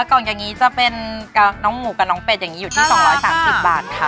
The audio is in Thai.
กล่องอย่างงี้กับน้องหมูกับน้องเป็ดอยู่ที่๒๓๐บาทค่ะ